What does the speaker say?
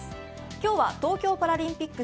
今日は東京パラリンピック